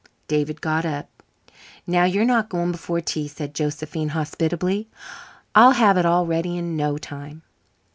David got up. "Now, you're not going before tea?" said Josephine hospitably. "I'll have it all ready in no time."